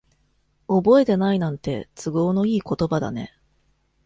覚えてないなんて、都合のいい言葉だね。